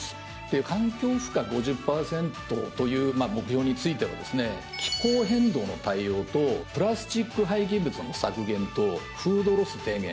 で環境負荷５０％という目標についてはですね気候変動の対応とプラスチック廃棄物の削減とフードロス低減